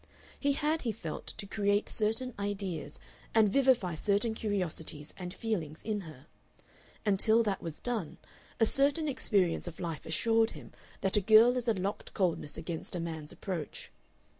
He had, he felt, to create certain ideas and vivify certain curiosities and feelings in her. Until that was done a certain experience of life assured him that a girl is a locked coldness against a man's approach.